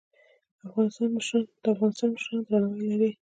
د افغانستان مشران درناوی لري